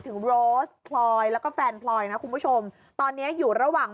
โรสพลอยแล้วก็แฟนพลอยนะคุณผู้ชมตอนเนี้ยอยู่ระหว่าง